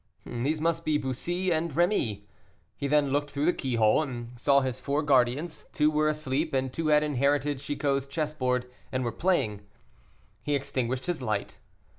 These must be Bussy and Rémy. He then looked through the keyhole, and saw his four guardians; two were asleep, and two had inherited Chicot's chessboard and were playing. He extinguished his light.